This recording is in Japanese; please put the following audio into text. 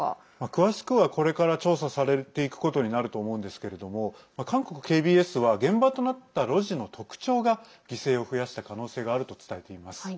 詳しくはこれから調査されていくことになると思うんですけれども韓国ＫＢＳは現場となった路地の特徴が犠牲を増やした可能性があると伝えています。